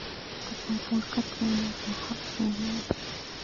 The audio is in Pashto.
د صداقت وینا د حق وینا ده.